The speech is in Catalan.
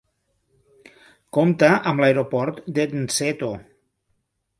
Compta amb l'Aeroport de Nzeto.